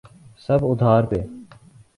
سب ادھار پہ۔